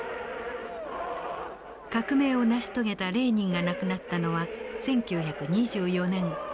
革命を成し遂げたレーニンが亡くなったのは１９２４年。